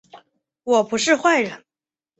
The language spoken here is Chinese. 我不是坏人